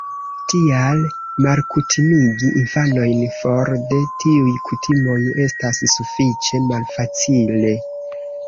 Tial, malkutimigi infanojn for de tiuj kutimoj estas sufiĉe malfacile.